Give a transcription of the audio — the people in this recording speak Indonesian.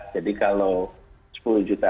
jadi kalau sepuluh juta